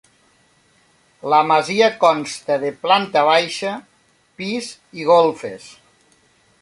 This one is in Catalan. La masia consta de planta baixa, pis i golfes.